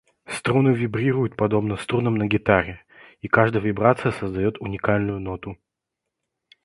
Струны вибрируют, подобно струнам на гитаре, и каждая вибрация создает уникальную ноту.